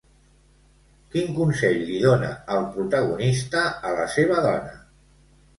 Quin consell li dona el protagonista a la seva dona?